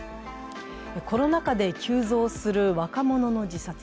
コロナ禍で急増する若者の自殺。